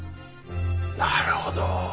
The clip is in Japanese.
なるほど。